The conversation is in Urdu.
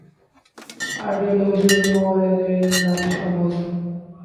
آئیڈیالوجی، علما اور اہل علم و دانش کا موضوع ہے۔